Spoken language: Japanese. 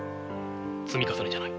積み重ねじゃない。